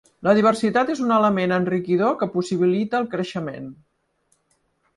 La diversitat és un element enriquidor que possibilita el creixement.